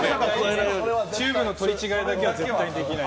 チューブの取り違えだけは絶対にできないので。